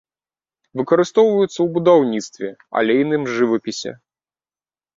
Выкарыстоўваюцца ў будаўніцтве, алейным жывапісе.